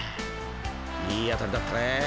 ［いい当たりだったね］